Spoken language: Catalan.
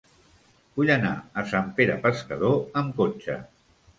Vull anar a Sant Pere Pescador amb cotxe.